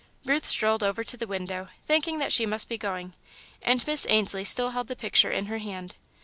Ruth strolled over to the window, thinking that she must be going, and Miss Ainslie still held the picture in her hand.